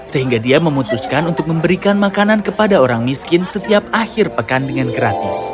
sehingga dia memutuskan untuk memberikan makanan kepada orang miskin setiap akhir pekan dengan gratis